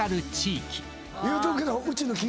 言うとくけど。